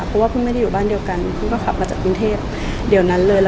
เพราะว่าเพิ่งไม่ได้อยู่บ้านเดียวกันเพิ่งก็ขับมาจากกรุงเทพเดี๋ยวนั้นเลย